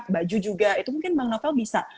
baju juga itu mungkin bang novel bisa